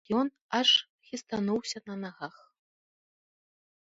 Ён аж хістануўся на нагах.